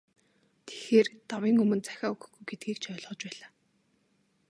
Тэгэхээр, давын өмнө захиа өгөхгүй гэдгийг ч ойлгож байлаа.